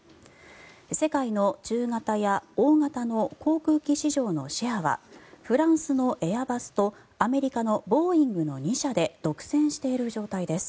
世界の中型や大型の航空機市場のシェアはフランスのエアバスとアメリカのボーイングの２社で独占している状態です。